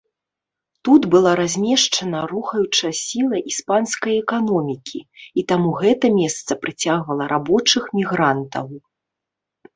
Тут была размешчана рухаючая сіла іспанскай эканомікі, і таму гэта месца прыцягвала рабочых мігрантаў.